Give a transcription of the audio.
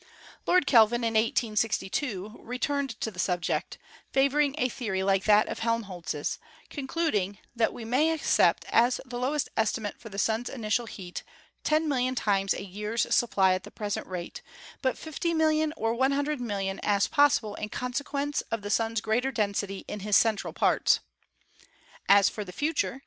'• Lord Kelvin, in 1862, returned to the subject, favoring a theory like that of Helmholtz', concluding that "we may accept as the lowest estimate for the Sun's initial heat 10,000,000 times a year's supply at the present rate, but 50,000,000 or 100,000,000 as possible in consequence of the Sun's greater density in his central parts." "As for the future